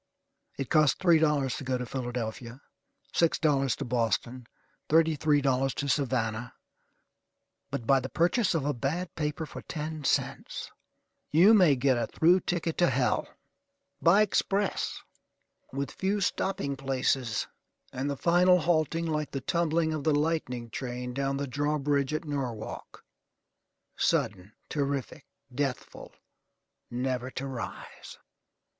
It costs three dollars to go to Philadelphia; six dollars to Boston; thirty three dollars to Savannah; but, by the purchase of a bad paper for ten cents, you may get a through ticket to hell, by express, with few stopping places, and the final halting like the tumbling of the lightning train down the draw bridge at Norwalk sudden, terrific, deathful, never to rise.